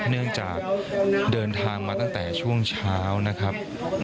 เนื่องจากเดินทางมาตั้งแต่ช่วงเช้านะครับ